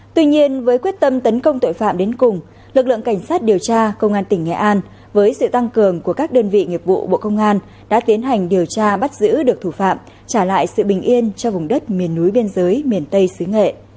tuy nhiên với quyết tâm tấn công tội phạm đến cùng lực lượng cảnh sát điều tra công an tỉnh nghệ an với sự tăng cường của các đơn vị nghiệp vụ bộ công an đã tiến hành điều tra bắt giữ được thủ phạm trả lại sự bình yên cho vùng đất miền núi biên giới miền tây xứ nghệ